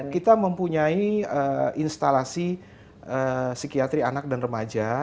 kita mempunyai instalasi psikiatri anak dan remaja